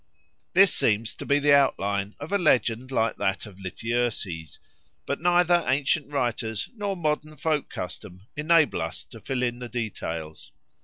This seems to be the outline of a legend like that of Lityerses; but neither ancient writers nor modern folk custom enable us to fill in the details.